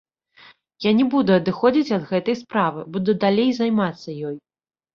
Я не буду адыходзіць ад гэтай справы, буду далей займацца ёй.